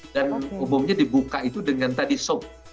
dan umumnya dibuka itu dengan tadi sop